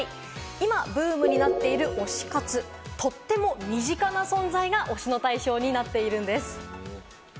今ブームになっている推し活、とっても身近な存在が推しの対象になっているんです。